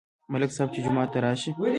ملک صاحب چې جومات ته راشي.